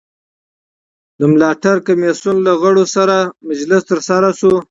د ملاتړ کمېسیون له غړو سره مجلس ترسره سو.